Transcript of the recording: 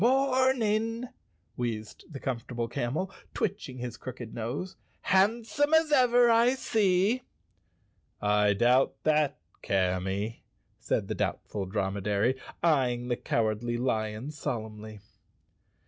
"Morning," wheezed the Comfortable Camel, twitch¬ ing his crooked nose. "Handsome as ever, I see." " I doubt that, Camy," said the Doubtful Dromedary, eying the Cowardly Lion solemnly.